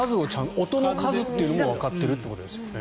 音の数というのもわかっているということですよね。